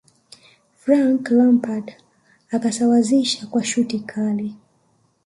frank lampard akasawazisha kwa shuti Kali